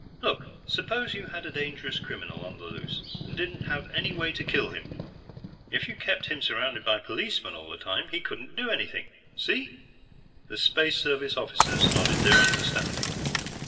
"Look, suppose you had a dangerous criminal on the loose, and didn't have any way to kill him. If you kept him surrounded by policemen all the time, he couldn't do anything. See?" The Space Service Officers nodded their understanding.